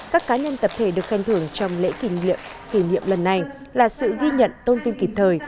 các cá nhân tập thể được khen thưởng trong lễ kỷ niệm lần này là sự ghi nhận tôn vinh kịp thời